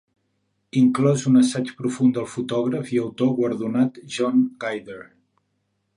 Inclòs un assaig profund del fotògraf i autor guardonat John Guider.